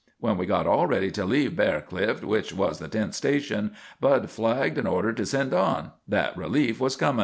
When we got all ready to leave Bear Clift, which was the tenth station, Bud flagged an order to hold on that relief was comin'.